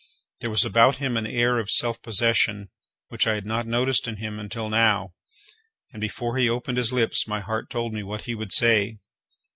There was about him an air of self possession which I had not noticed in him until now, and before he opened his lips my heart told me what he would say.